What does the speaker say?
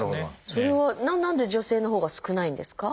それは何で女性のほうが少ないんですか？